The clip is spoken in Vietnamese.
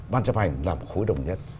bán chấp hành là một khối đồng nhất